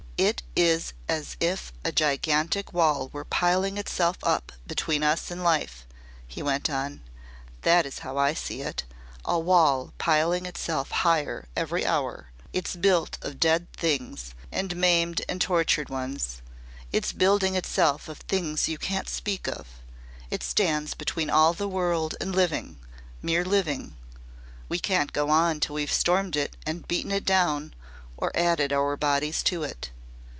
"It is as if a gigantic wall were piling itself up between us and Life," he went on. "That is how I see it a wall piling itself higher every hour. It's built of dead things and maimed and tortured ones. It's building itself of things you can't speak of. It stands between all the world and living mere living. We can't go on till we've stormed it and beaten it down or added our bodies to it.